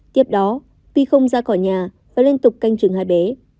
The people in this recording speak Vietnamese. tiếp đó vi không ra khỏi nhà và liên tục canh trừng hai bé